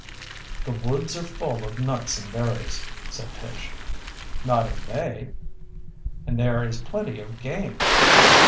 "The woods are full of nuts and berries," said Tish. "Not in May." "And there is plenty of game."